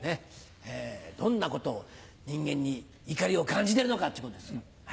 どんなことを人間に怒りを感じてるのかっちゅうことですよ。